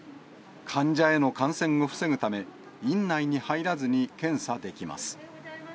患者への感染を防ぐため、院内に入らずに検査できます。